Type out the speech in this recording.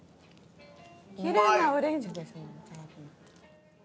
きれいなオレンジです。